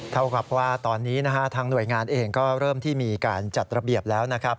เท่ากับว่าตอนนี้นะฮะทางหน่วยงานเองก็เริ่มที่มีการจัดระเบียบแล้วนะครับ